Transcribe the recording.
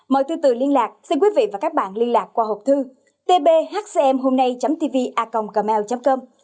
mời từ từ liên lạc xin quý vị và các bạn liên lạc qua hộp thư tbhcmhomnay tvacomgmail com